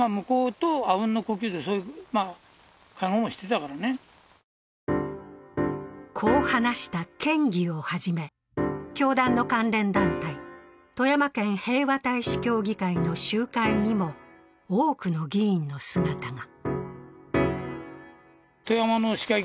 更にこう話した県議をはじめ教団の関連団体・富山県平和大使協議会の集会にも多くの議員の姿が。